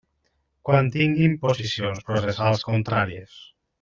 Quan tinguin posicions processals contràries.